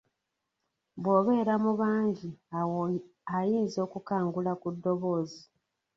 Bw’obeera mu bangi awo ayinza okukangula ku ddoboozi.